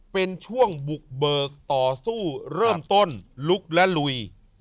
เป็นช่วงบุกเบิกต่อสู้เริ่มต้นลุกและลุย